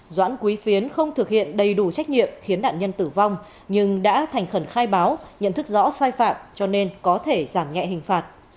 doãn quý phiến không thực hiện đầy đủ trách nhiệm khiến nạn nhân tử vong nhưng đã thành khẩn khai báo nhận thức rõ sai phạm cho nên có thể giảm nhẹ hình phạt